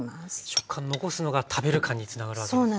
食感残すのが食べる感につながるわけですね。